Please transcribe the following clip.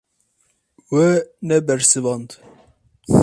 We nebersivand.